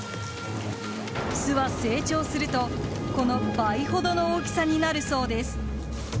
巣は成長すると、この倍ほどの大きさになるそうです。